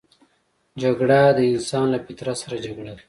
جګړه د انسان له فطرت سره جګړه ده